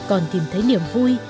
còn tìm thấy niềm vui